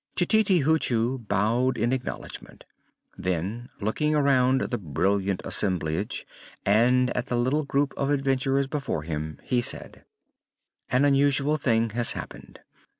Tititi Hoochoo bowed in acknowledgment. Then, looking around the brilliant assemblage, and at the little group of adventurers before him, he said: "An unusual thing has happened.